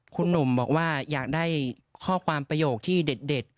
คุณหนุ่มบอกว่าอยากได้ข้อความประโยคที่เด็ด